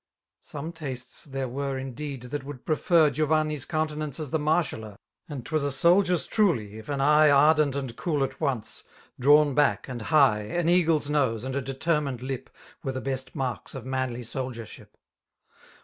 Some tastes there were indeed^ that would {nrefer Giovanurs countenaaoe as the martialler^ And 'twas a soldier's truly, if an eye Ardent and, cool at once^ drawn back and high. An eagle's nose, and a determined lip. Were the l^est marks of manly soldiership.